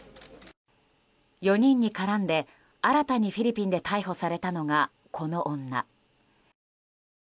４人に絡んで新たにフィリピンで逮捕されたのがこの女。